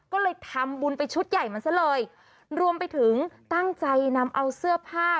ก็เลยทำบุญไปชุดใหญ่มันซะเลยรวมไปถึงตั้งใจนำเอาเสื้อผ้า